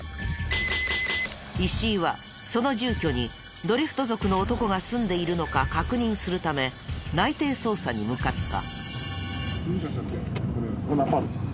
石井はその住居にドリフト族の男が住んでいるのか確認するため内偵捜査に向かった。